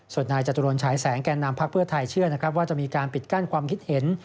ส่วนนายจตุรนชายแสงแก่นำพักเพื่อไทยเชื่อนะครับว่าจะมีการปิดกั้นความคิดเห็น